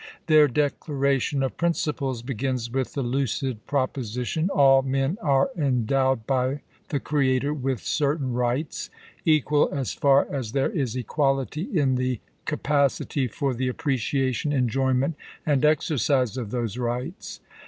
Their declaration of principles begins with this lucid proposition : "All men are endowed by the Creator with certain rights ; equal as far as there is equality in the capacity for the appreciation, enjojTiient, and exercise of those rights."